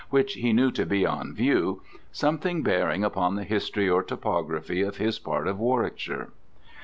which he knew to be then on view, something bearing upon the history or topography of his part of Warwickshire.